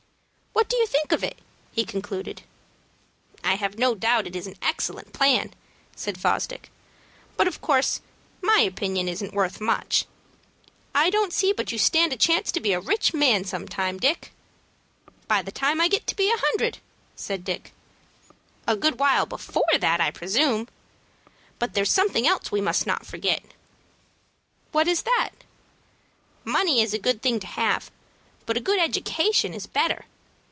"What do you think of it?" he concluded. "I have no doubt it is an excellent plan," said Fosdick; "but of course my opinion isn't worth much. I don't see but you stand a chance to be a rich man some time, Dick." "By the time I get to be a hundred," said Dick. "A good while before that, I presume. But there's something else we must not forget." "What is that?" "Money is a good thing to have, but a good education is better.